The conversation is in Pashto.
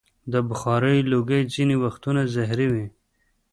د بخارۍ لوګی ځینې وختونه زهري وي.